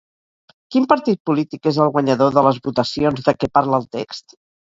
Quin partit polític és el guanyador de les votacions de què parla el text?